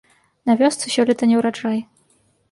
На вёсцы сёлета неўраджай.